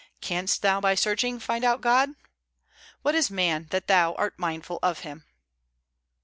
"Canst thou by searching find out God?" "What is man that Thou art mindful of him?"